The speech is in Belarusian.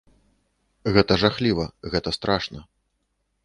Гэта жахліва, гэта страшна.